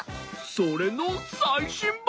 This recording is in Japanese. それのさいしんばん！